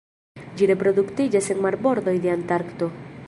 Ĝi reproduktiĝas en marbordoj de Antarkto.